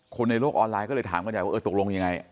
ในโลกออนไลน์ก็เลยถามกันใหญ่ว่าเออตกลงยังไง